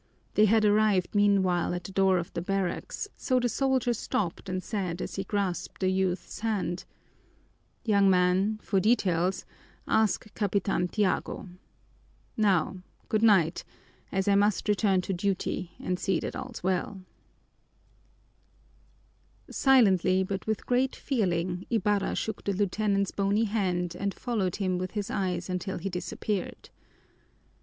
They had arrived meanwhile at the door of the barracks, so the soldier stopped and said, as he grasped the youth's hand, "Young man, for details ask Capitan Tiago. Now, good night, as I must return to duty and see that all's well." Silently, but with great feeling, Ibarra shook the lieutenant's bony hand and followed him with his eyes until he disappeared.